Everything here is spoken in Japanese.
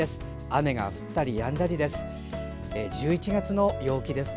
雨が降ったりやんだりです。